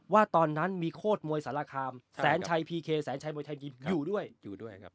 ว่าตอนนั้นมีโคตรมวยสารคามแสนชัยพีเคแสนชัยมวยไทยยิมอยู่ด้วยอยู่ด้วยครับ